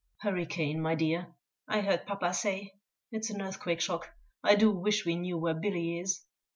"Hurricane! my dear," I heard papa say; "it's an earthquake shock. I do wish we knew where Billy is."